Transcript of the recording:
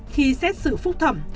khi xét xử phúc thẩm